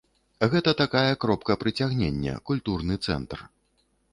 Гэта такая кропка прыцягнення, культурны цэнтр.